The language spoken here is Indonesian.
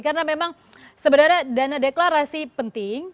karena memang sebenarnya dana deklarasi penting